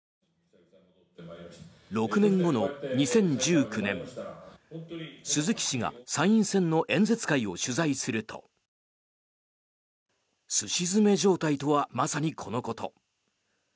６年後の２０１９年、鈴木氏が参院選の演説会を取材するとすし詰め状態とはまさにこのこと。